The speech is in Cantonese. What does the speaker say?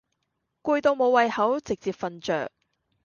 攰到無胃口直接瞓著